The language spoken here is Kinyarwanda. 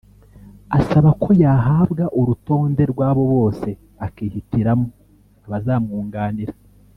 asaba ko yahabwa urutonde rw’abo bose akihitiramo abazamwunganira